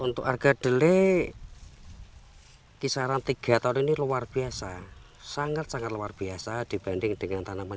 untuk harga dele kisaran tiga tahun ini luar biasa sangat sangat luar biasa dibanding dengan tanaman